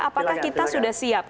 apakah kita sudah siap